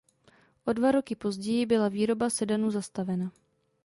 O dva roky později byla výroba sedanu zastavena.